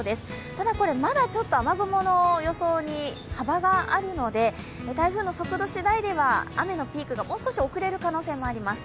ただ、これはまだ雨雲の予想に幅があるので、台風の速度次第では雨のピークがもう少し遅れる可能性があります。